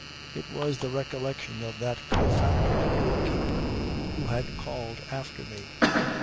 It was the recollection of that confounded doorkeeper who had called after me.